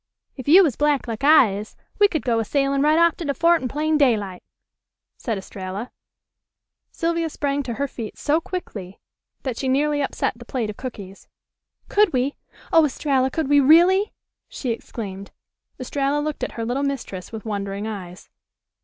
"If you was black like I is we could go a sailin' right off to de fort in plain daylight," said Estralla. Sylvia sprang to her feet so quickly that she nearly upset the plate of cookies. "Could we? Oh, Estralla, could we really?" she exclaimed. Estralla looked at her little mistress with wondering eyes.